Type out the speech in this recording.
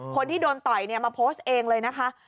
คนที่โดนต่อยมาโพสต์เองเลยนะคะ